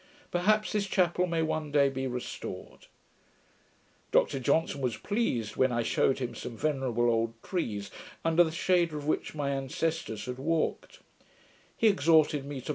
Perhaps this chapel may one day be restored. Dr Johnson was pleased, when I shewed him some venerable old trees, under the shade of which my ancestors had walked.